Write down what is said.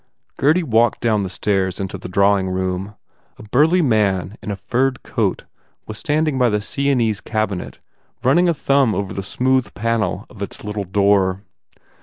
Gurdy walked down the stairs into the drawing room. A burly man in a furred coat was stand ing by the Siennese cabinet running a thumb over the smooth panel of its little door.